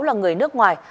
là người nước ngoài